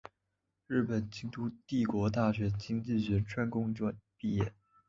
日本京都帝国大学经济学专攻毕业。